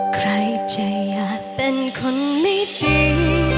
ใครจะอยากเป็นคนไม่จริง